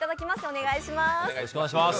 お願いします。